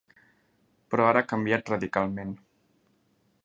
Però ara ha canviat radicalment.